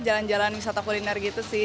jalan jalan wisata kuliner gitu sih